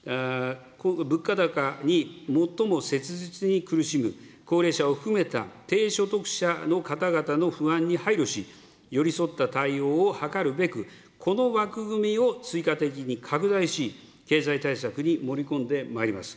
物価高に最も切実に苦しむ高齢者を含めた低所得者の方々の不安に配慮し、寄り添った対応を図るべく、この枠組みを追加的に拡大し、経済対策に盛り込んでまいります。